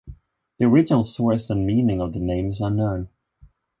The original source and meaning of the name is unknown.